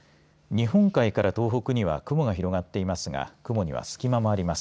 日本海から東北には雲が広がっていますが雲には隙間もあります。